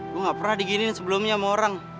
gue gak pernah diginiin sebelumnya sama orang